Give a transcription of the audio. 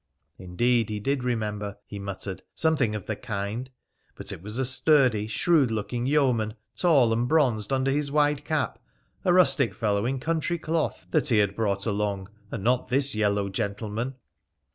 Indeed, he did remember, he muttered, something of the kind, but it was a sturdy, shrewd looking yeoman, tall, and bronzed under his wide cap, a rustic fellow in country cloth that he had brought along, and not this yellow gentleman.